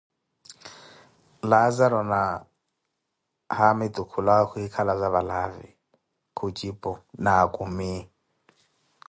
Laazaru na haamitu khulawa kwikalaza valaavi, khujipu: naakhumi.